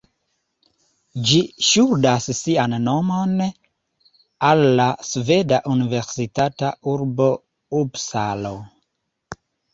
Ĝi ŝuldas sian nomon al la sveda universitata urbo Upsalo.